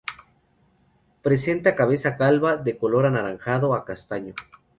Presenta cabeza calva, de color anaranjado a castaño.